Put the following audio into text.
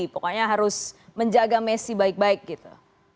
pokoknya harus menjaga messi baik baik gitu